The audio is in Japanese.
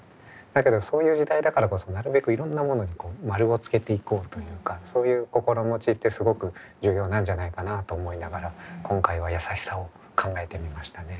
だけどそういう時代だからこそなるべくいろんなものに丸をつけていこうというかそういう心持ちってすごく重要なんじゃないかなと思いながら今回はやさしさを考えてみましたね。